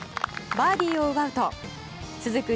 バーディーを奪うと続く